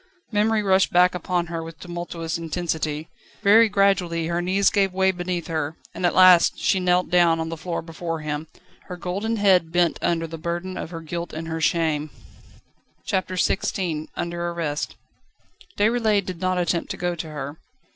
Memory rushed back upon her with tumultuous intensity. Very gradually her knees gave beneath her, and at last she knelt down on the floor before him, her golden head bent under the burden of her guilt and her shame. CHAPTER XVI Under arrest. Déroulède did not attempt to go to her.